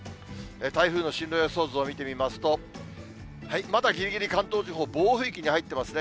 台風の進路予想図を見てみますと、まだぎりぎり関東地方、暴風域に入ってますね。